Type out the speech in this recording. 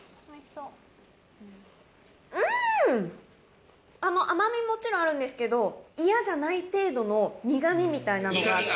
うーん！甘みもちろんあるんですけど、嫌じゃない程度の苦みみたいなのがあって。